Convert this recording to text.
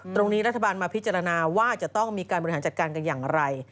รัฐบาลมาพิจารณาว่าจะต้องมีการบริหารจัดการกันอย่างไร